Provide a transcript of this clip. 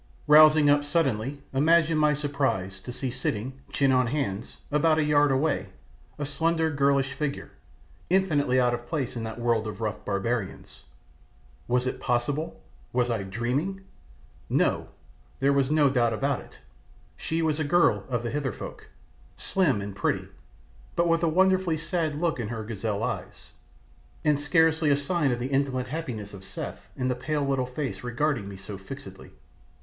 Rousing up suddenly, imagine my surprise to see sitting, chin on knees, about a yard away, a slender girlish figure, infinitely out of place in that world of rough barbarians. Was it possible? Was I dreaming? No, there was no doubt about it, she was a girl of the Hither folk, slim and pretty, but with a wonderfully sad look in her gazelle eyes, and scarcely a sign of the indolent happiness of Seth in the pale little face regarding me so fixedly.